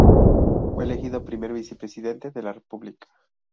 Fue elegido primer "vicepresidente" de la República.